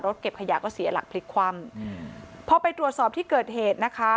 เก็บขยะก็เสียหลักพลิกคว่ำพอไปตรวจสอบที่เกิดเหตุนะคะ